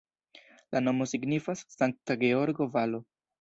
La nomo signifas Sankta Georgo-valo.